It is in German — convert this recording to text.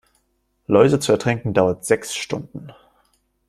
Läuse zu ertränken, dauert sechs Stunden.